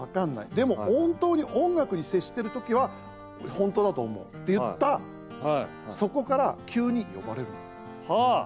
でも、本当に音楽に接してる時は本当だと思うって言ったそこから急に呼ばれるのよ。